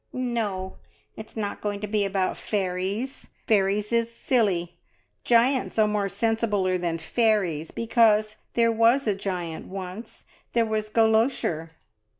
"No, it's not going to be about fairies, fairies is silly. Giants are more sensibler than fairies, because there was a giant once. There was Golosher!"